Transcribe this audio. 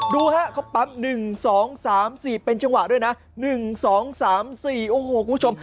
ดูฮะเขาปั๊บ๑๒๓๔เป็นจังหวะด้วยนะ๑๒๓๔โอ้โหคุณผู้ชม